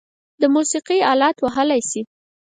د موسیقۍ آلات وهلی شئ؟